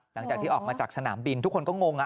หลังจากที่ออกมาจากสนามบินทุกคนก็งง